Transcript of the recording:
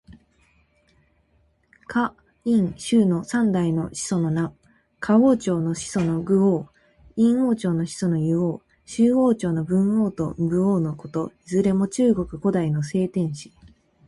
夏、殷、周の三代の始祖の名。夏王朝の始祖の禹王。殷王朝の始祖の湯王。周王朝の文王と武王のこと。いずれも中国古代の聖天子。